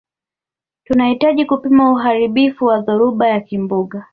tunahitaji kupima uharibifu wa dhoruba ya kimbunga